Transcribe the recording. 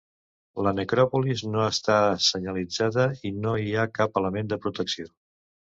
La necròpolis no està senyalitzada i no hi ha cap element de protecció.